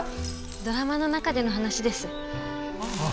ドラマの中での話です。ああ。